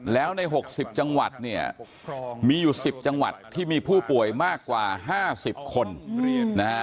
แล้วใน๖๐จังหวัดเนี่ยมีอยู่๑๐จังหวัดที่มีผู้ป่วยมากกว่า๕๐คนนะฮะ